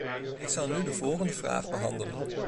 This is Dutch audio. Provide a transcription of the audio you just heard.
Ik zal nu de volgende vraag behandelen.